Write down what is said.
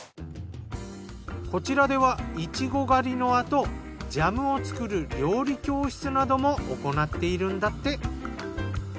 こちらではイチゴ狩りのあとジャムを作る料理教室なども行っているんだって。